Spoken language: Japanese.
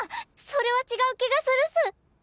それは違う気がするっす！